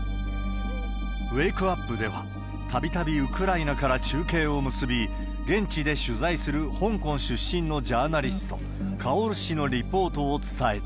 ウェークアップでは、たびたびウクライナから中継を結び、現地で取材する香港出身のジャーナリスト、カオル氏のリポートを伝えた。